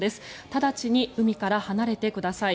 直ちに海から離れてください。